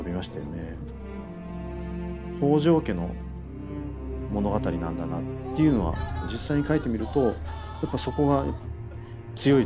北条家の物語なんだなっていうのは実際に書いてみるとやっぱそこが強いですね。